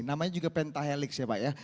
namanya juga pentahelix ya pak ya